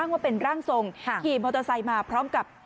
บ้างทรงกี่มอเตอร์ไซด์มาพร้อมกับ